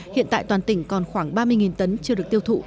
hiện tại toàn tỉnh còn khoảng ba mươi tấn chưa được tiêu thụ